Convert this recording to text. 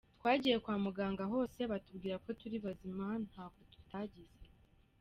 Twagiye kwa muganga hose batubwira ko turi bazima ntako tutagize.